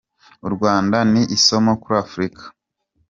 U Rwanda ni isomo kuri Afurika.